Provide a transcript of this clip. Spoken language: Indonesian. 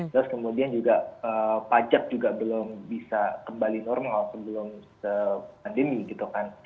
terus kemudian juga pajak juga belum bisa kembali normal sebelum pandemi gitu kan